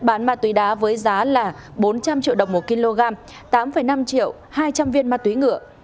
bán ma túy đá với giá là bốn trăm linh triệu đồng một kg tám năm triệu hai trăm linh viên ma túy ngựa